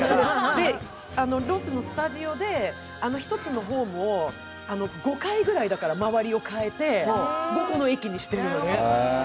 で、ロスのスタジオで１つのホームを５回くらい周りを変えて５個の駅にしているのね。